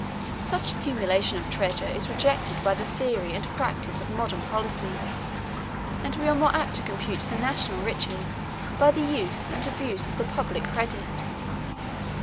30 Such accumulation of treasure is rejected by the theory and practice of modern policy; and we are more apt to compute the national riches by the use and abuse of the public credit.